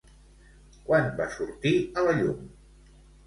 Quan va sortir a la llum?